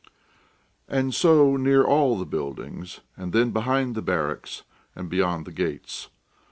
And so near all the buildings, and then behind the barracks and beyond the gates.